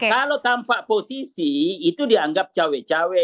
kalau tampak posisi itu dianggap cawe cawe